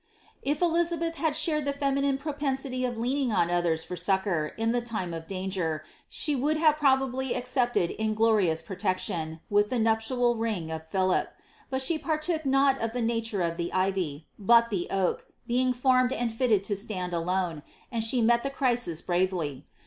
If Elizabeth had shared the feminine propensity of leaning on othere for succour, in the time of danger, she would probably have accepted inglorious protection, with the nuptial ring of Philip, but she partook not of the nature of the ivy, but the oak, being formed and fitted to •land alone, and she met the crisis bravely.